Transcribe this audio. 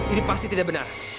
ini pasti tidak benar